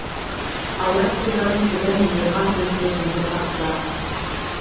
Аяҡ-ҡулдарын көҙән йыйырған төҫлө булды хатта.